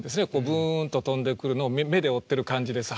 ブンと飛んでくるのを目で追ってる感じです。